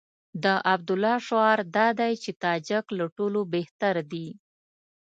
د عبدالله شعار دا دی چې تاجک له ټولو بهتر دي.